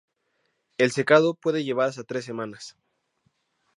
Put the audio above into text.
El secado puede llevar hasta tres semanas.